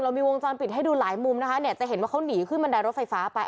มีวงจรปิดให้ดูหลายมุมนะคะเนี่ยจะเห็นว่าเขาหนีขึ้นบันไดรถไฟฟ้าไป